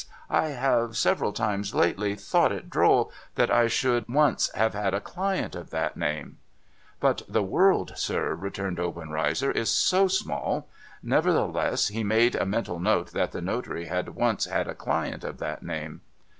I have several times, lately, thought it droll that I should once have had a client of that name.' ' But the world, sir,' returned Obenreizer, ' is so small !' Never theless he made a mental note that the notary had once had a client of that name.